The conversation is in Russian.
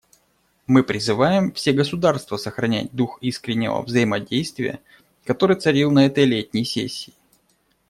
Мы призываем все государства сохранять дух искреннего взаимодействия, который царил на этой летней сессии.